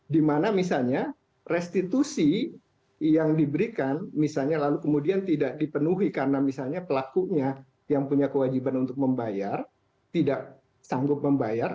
dimana misalnya restitusi yang diberikan misalnya lalu kemudian tidak dipenuhi karena misalnya pelakunya yang punya kewajiban untuk membayar tidak sanggup membayar